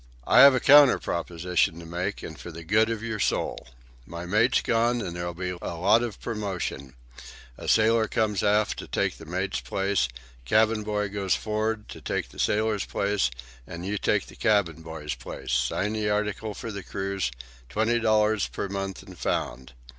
"I have a counter proposition to make, and for the good of your soul. My mate's gone, and there'll be a lot of promotion. A sailor comes aft to take mate's place, cabin boy goes for'ard to take sailor's place, and you take the cabin boy's place, sign the articles for the cruise, twenty dollars per month and found.